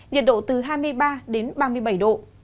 nhiệt độ từ hai mươi ba đến ba mươi bảy độ